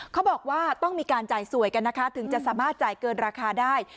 เขาบอกว่าต้องมีการจ่ายสวยกันนะคะถึงจะสามารถจ่ายเกินราคาได้